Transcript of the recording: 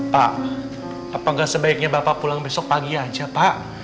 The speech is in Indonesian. pak apa enggak sebaiknya bapak pulang besok pagi aja pak